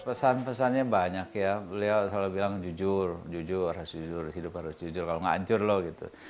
pesan pesannya banyak ya beliau selalu bilang jujur harus jujur hidup harus jujur kalau gak ancur lo gitu